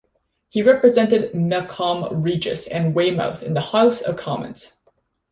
He represented Melcombe Regis and Weymouth in the House of Commons.